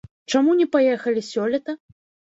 Чаму не паехалі сёлета?